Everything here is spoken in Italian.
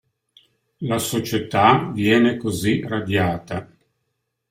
La società viene così radiata.